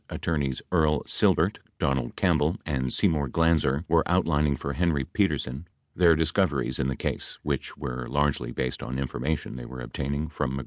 Attorneys Earl Silbert, Donald Campbell and Seymour Glanzer, were outlining for Henry Petersen their discoveries in the case, which were largely based on information they were obtaining from Magruder and Dean.